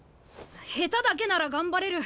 下手だけなら頑張れる。